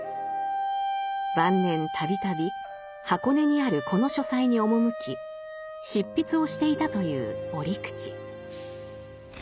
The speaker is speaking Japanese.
晩年度々箱根にあるこの書斎に赴き執筆をしていたという折口。